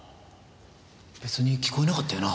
別に聞こえなかったよな？